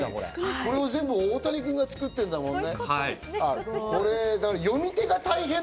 これ大谷君が作ってるんだもんね。